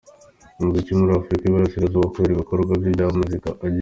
umuziki muri Afurika yUburasirazuba kubera ibikorwa bye bya muzika agenda.